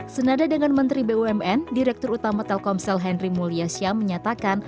senada dengan menteri bumn direktur utama telkomsel henry mulyasya menyatakan